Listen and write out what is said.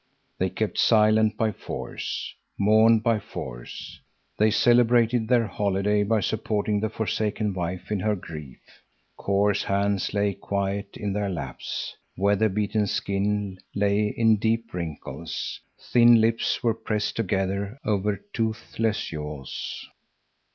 They kept silent by force, mourned by force. They celebrated their holiday by supporting the forsaken wife in her grief. Coarse hands lay quiet in their laps, weather beaten skin lay in deep wrinkles, thin lips were pressed together over toothless jaws.